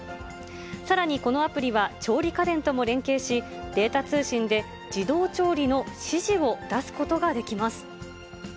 さらに、このアプリは調理家電とも連携し、データ通信で自動調理の指示を出すことができます。